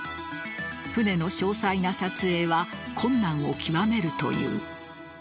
船の詳細な撮影は困難を極めるという。